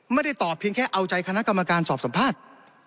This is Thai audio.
ไม่ได้ตอบเพียงแค่เอาใจคณะกรรมการสอบสัมภาษณ์